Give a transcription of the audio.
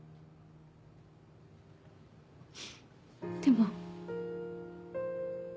でも。